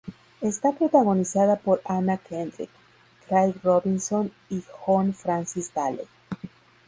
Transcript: Está protagonizada por Anna Kendrick, Craig Robinson y John Francis Daley.